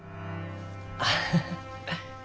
アハハ。